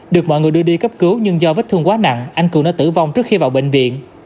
được mọi người đưa đi cấp cứu nhưng do vết thương quá nặng anh cường đã tử vong trước khi vào bệnh viện